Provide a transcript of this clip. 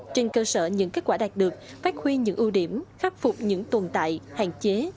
trên cơ sở những kết quả đạt được phát huy những ưu điểm khắc phục những tồn tại hạn chế